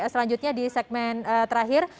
selanjutnya di segmen terakhir